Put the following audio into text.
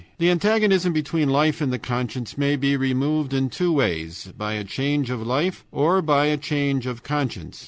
The antagonism between life and the conscience may be removed in two ways: by a change of life or by a change of conscience.